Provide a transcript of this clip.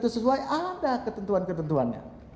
sesuai ada ketentuan ketentuannya